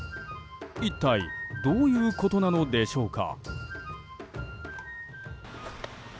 一体どういうことなのでしょうか。